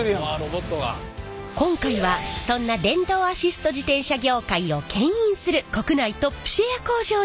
今回はそんな電動アシスト自転車業界をけん引する国内トップシェア工場に潜入！